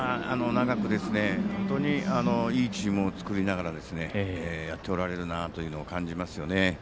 長く、本当にいいチームを作りながらやっておられるなというのを感じますよね。